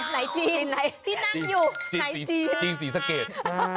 ไหนจีนที่นั่งอยู่ไหนจีนจีนสีสะเกียร์